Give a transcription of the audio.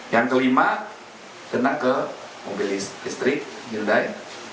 yang kelima kena ke mobil listrik hyundai